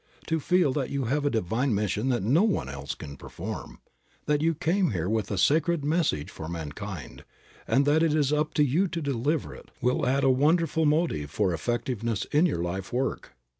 To feel that you have a divine mission that no one else can perform, that you came here with a sacred message for mankind, and that it is up to you to deliver it will add a wonderful motive for effectiveness in your life work.